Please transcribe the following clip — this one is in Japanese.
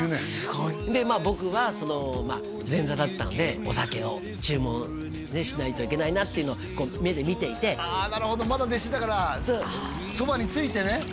すごいでまあ僕は前座だったのでお酒を注文しないといけないなっていうの目で見ていてなるほどまだ弟子だからそばについてね